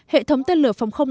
hệ thống tên lửa phòng không